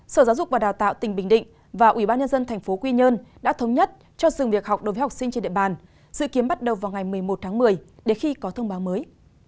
sở giáo dục và đào tạo tỉnh bình định và ủy ban nhân dân tp quy nhơn đã thống nhất cho dừng việc học đối với học sinh trên địa bàn dự kiến bắt đầu vào ngày một mươi một tháng một mươi để khi có thông báo mới